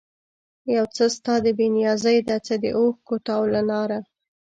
یو څه ستا د بې نیازي ده، څه د اوښکو تاو له ناره